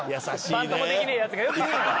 バントもできねえヤツがよく言うよ。